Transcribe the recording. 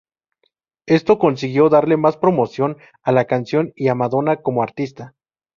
Esto consiguió darle más promoción a la canción y a Madonna como artista.